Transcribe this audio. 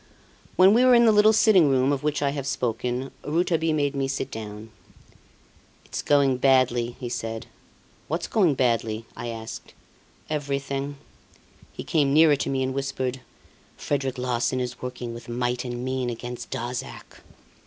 When we were in the little sitting room of which I have spoken, Rouletabille made me sit down. "It's going badly," he said. "What's going badly?" I asked. "Everything." He came nearer to me and whispered: "Frederic Larsan is working with might and main against Darzac."